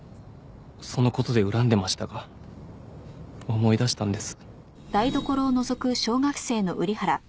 そのことで恨んでましたが思い出したんです。